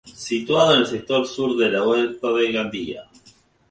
Situado en el sector sur de la Huerta de Gandía.